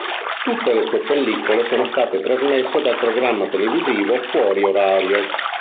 Tutte le sue pellicole sono state trasmesse dal programma televisivo "Fuori orario.